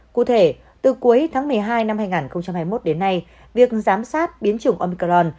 cụ thể từ cuối tháng một mươi hai năm hai nghìn hai mươi một đến nay việc giám sát biến chủng omicron